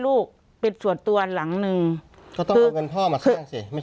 ลูกเป็นส่วนตัวหลังหนึ่งก็ต้องเอาเงินพ่อมาสร้างสิไม่